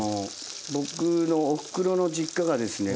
僕のおふくろの実家がですね